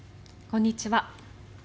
こんにちは。